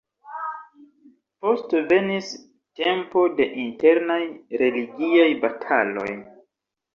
Poste venis tempo de internaj religiaj bataloj.